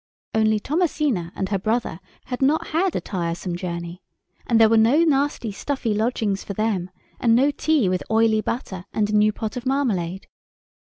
Only Thomasina and her brother had not had a tiresome journey—and there were no nasty, stuffy lodgings for them, and no tea with oily butter and a new pot of marmalade.